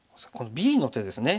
Ｂの手ですね。